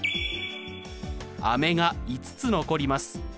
飴が５つ残ります。